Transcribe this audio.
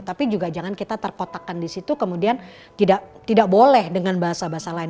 tapi juga jangan kita terkotakkan di situ kemudian tidak boleh dengan bahasa bahasa lain